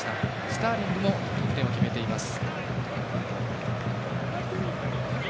スターリングも得点を決めてます。